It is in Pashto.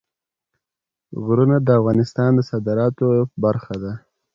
غرونه د افغانستان د صادراتو برخه ده.